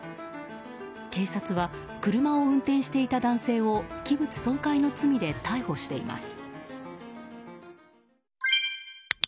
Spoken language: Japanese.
警察は、車を運転していた男性を器物損壊の罪で逮捕しています。